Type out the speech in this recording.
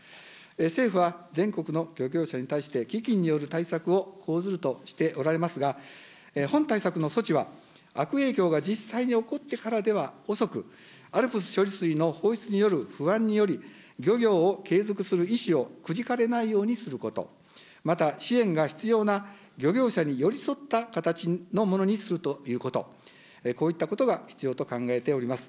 政府は全国の漁業者に対して、基金による対策を講ずるとしておられますが、本対策の措置は、悪影響が実際に起こってからでは遅く、ＡＬＰＳ処理水の放出による不安により、漁業を継続する意思をくじかれないようにすること、また、支援が必要な漁業者に寄り添った形のものにするということ、こういったことが必要と考えております。